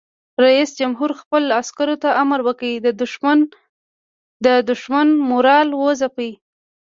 رئیس جمهور خپلو عسکرو ته امر وکړ؛ د دښمن مورال وځپئ!